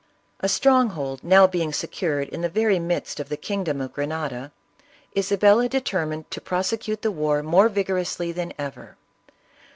A stronghold being now secured in the very midst of the kingdom of Grenada, Isabella determined to prosecute the war more vigorously than ever.